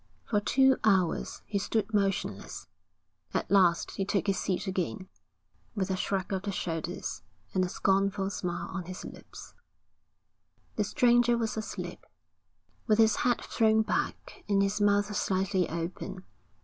For two hours he stood motionless. At last he took his seat again, with a shrug of the shoulders, and a scornful smile on his lips. The stranger was asleep, with his head thrown back and his mouth slightly open.